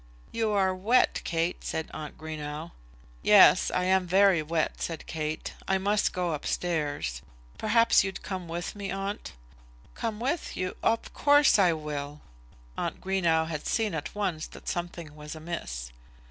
"You are wet, Kate," said aunt Greenow. "Yes, I am very wet," said Kate. "I must go up stairs. Perhaps you'll come with me, aunt?" "Come with you, of course I will." Aunt Greenow had seen at once that something was amiss.